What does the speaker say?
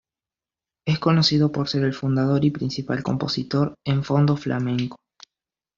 Es conocido por ser el fundador y principal compositor en Fondo Flamenco.